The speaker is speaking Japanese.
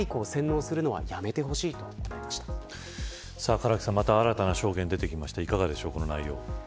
唐木さん、また新たな証言が出てきました、いかがでしょう。